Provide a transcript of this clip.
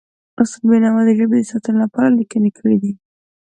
استاد بینوا د ژبې د ساتنې لپاره لیکنې کړی دي.